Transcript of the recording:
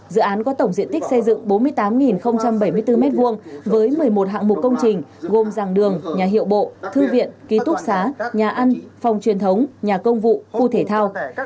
dự án có tổng diện tích xây dựng bốn mươi tám bảy mươi bốn m hai với một mươi một hạng mục công trình gồm giảng đường nhà hiệu bộ thư viện ký túc xá nhà ăn phòng truyền thống nhà công vụ khu thể thao